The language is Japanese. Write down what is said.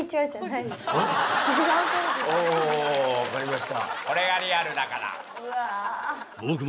おぉ分かりました。